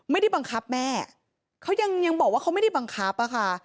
ไม่ได้บังคับแม่เขายังบอกว่าเขาไม่ได้บังคับอะค่ะ